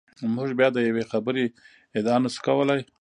موږ بیا د یوې خبرې ادعا نشو کولای.